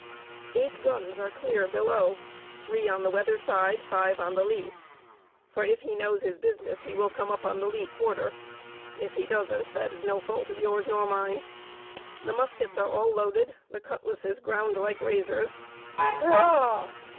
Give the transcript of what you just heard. Eight guns are clear below, three on the weather side, five on the lee; for, if he knows his business, he will come up on the lee quarter: if he doesn't, that is no fault of yours nor mine. The muskets are all loaded, the cutlasses ground like razors—" "Hurrah!"